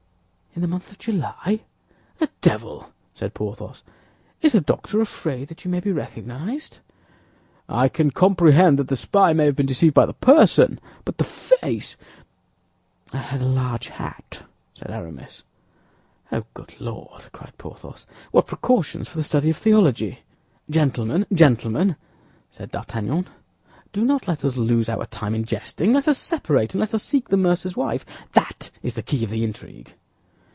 "In the month of July? The devil!" said Porthos. "Is the doctor afraid that you may be recognized?" "I can comprehend that the spy may have been deceived by the person; but the face—" "I had a large hat," said Aramis. "Oh, good lord," cried Porthos, "what precautions for the study of theology!" "Gentlemen, gentlemen," said D'Artagnan, "do not let us lose our time in jesting. Let us separate, and let us seek the mercer's wife—that is the key of the intrigue."